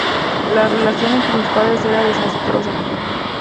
La relación entre sus padres era desastrosa.